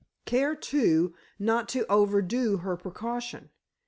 Care, too, not to overdo her precaution.